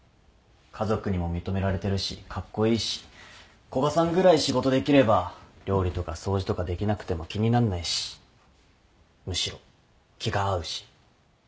家族にも認められてるしカッコイイし古賀さんぐらい仕事できれば料理とか掃除とかできなくても気になんないしむしろ気が合うし？